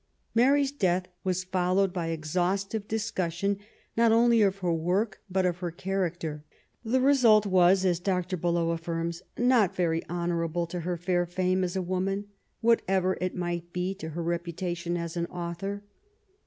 *" Mary's death was followed by exhaustive discussion not only of her work but of her character. The result was, as Dr. Beloe ciffirms^ " not very honourable to her fair fame as a woman^ whatever it might be to her reputation as an author.''